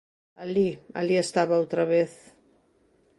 Alí, alí estaba outra vez…